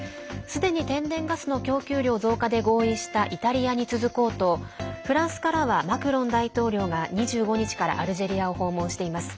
すでに天然ガスの供給量増加で合意したイタリアに続こうとフランスからはマクロン大統領が２５日からアルジェリアを訪問しています。